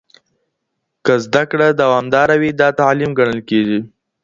که زده کړه دوامداره وي دا تعليم ګڼل کېږي.